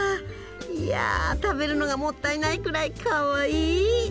いや食べるのがもったいないくらいかわいい！